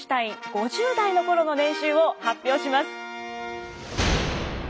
５０代の頃の年収を発表します。